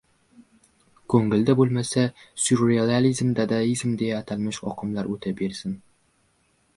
Ko‘ngilda bo‘lmasa, syurrealizm, dadaizm, deya atalmish oqimlar o‘ta bersin!